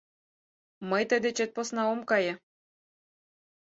Мый тый дечет посна ом кае.